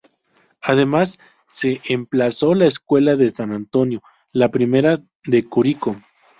Además se emplazó la Escuela de San Antonio, la primera de Curicó.